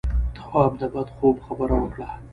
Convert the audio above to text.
تواب د بد خوب خبره وکړه.